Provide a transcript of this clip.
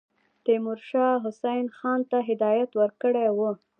تیمورشاه حسین خان ته هدایت ورکړی وو.